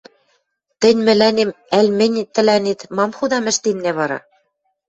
Тӹнь мӹлӓнем ӓль мӹнь тӹлӓнет мам худам ӹштеннӓ вара?